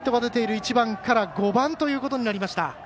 これで、きょうヒットが出ている１番から５番ということになりました。